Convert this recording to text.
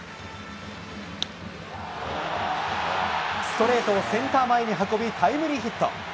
ストレートをセンター前に運びタイムリーヒット。